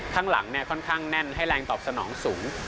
ข้างหลังค่อนข้างแน่นให้แรงตอบสนองสูง